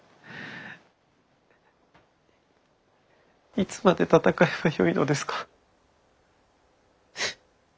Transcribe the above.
いつまで戦えばよいのですか。